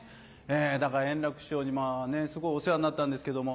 だから円楽師匠にすごいお世話になったんですけども。